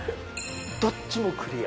どっちもクリア。